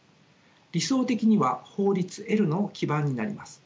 理想的には法律の基盤になります。